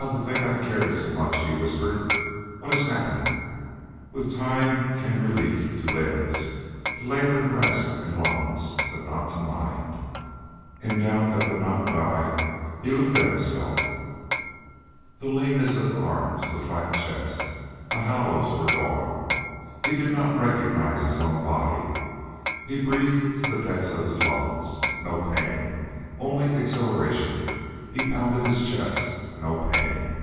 to think I cared so much," he whispered. "What has happened?" With time relief came to limbs, to labored breast and lungs, but not to mind. In doubt that would not die, he looked at himself. The leanness of arms, the flat chest, the hollows were gone. He did not recognize his own body. He breathed to the depths of his lungs. No pain only exhilaration! He pounded his chest no pain!